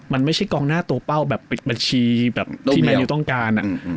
มันไม่ใช่กองหน้าตัวเป้าแบบปิดบัญชีแบบที่แมนิวต้องการ